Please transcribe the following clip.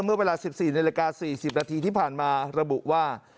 เมื่อเวลา๑๔นาฬิกา๔๐นาทีที่ผ่านมาระบุว่า